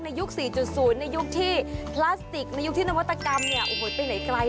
ยุค๔๐ในยุคที่พลาสติกในยุคที่นวัตกรรมไปไหนไกล